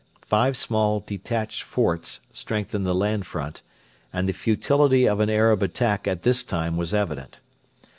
Five small detached forts strengthen the land front, and the futility of an Arab attack at this time was evident.